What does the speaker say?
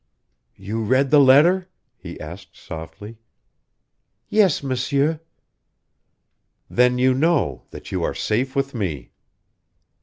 "You read the letter?" he asked, softly. "Yes, M'sieur." "Then you know that you are safe with me!"